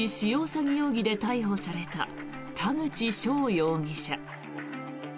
詐欺容疑で逮捕された田口翔容疑者。